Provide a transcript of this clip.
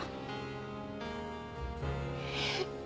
えっ？